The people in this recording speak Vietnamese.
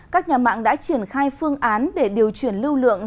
các nhà mạng đã triển khai phương án để điều chuyển lưu lượng